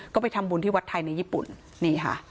ก็ไปทำบุญที่วัดไทยในญี่ปุ่น